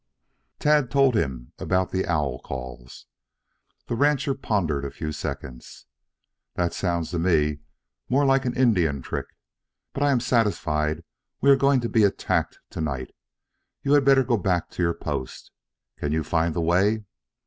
Tad told him about the owl calls. The rancher pondered a few seconds. "That sounds to me more like an Indian trick. But I am satisfied we are going to be attacked tonight. You had better go back to your post. Can you find the way?"